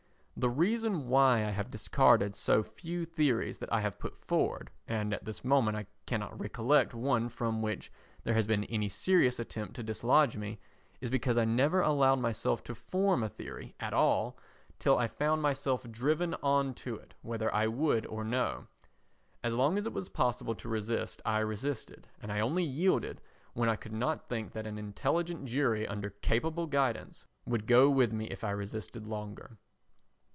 The reason why I have discarded so few theories that I have put forward—and at this moment I cannot recollect one from which there has been any serious attempt to dislodge me—is because I never allowed myself to form a theory at all till I found myself driven on to it whether I would or no. As long as it was possible to resist I resisted, and only yielded when I could not think that an intelligent jury under capable guidance would go with me if I resisted longer.